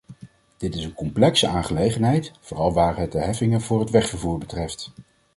Dit is een complexe aangelegenheid, vooral waar het de heffingen voor het wegvervoer betreft.